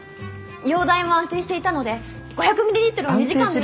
容体も安定していたので５００ミリリットルを２時間で。